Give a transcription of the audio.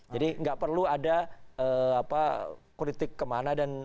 jadi nggak perlu ada kritik kemana dan